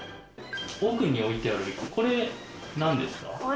奥に置いてある、これはなんですか？